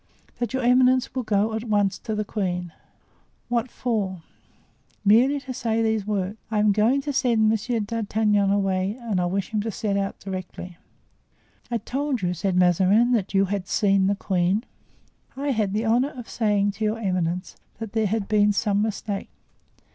"That your eminence will go at once to the queen." "What for?" "Merely to say these words: 'I am going to send Monsieur d'Artagnan away and I wish him to set out directly.'" "I told you," said Mazarin, "that you had seen the queen." "I had the honor of saying to your eminence that there had been some mistake."